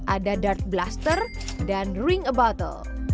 ada dart blaster dan ring a bottle